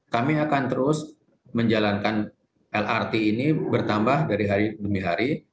kami akan terus menjalankan lrt ini bertambah dari hari demi hari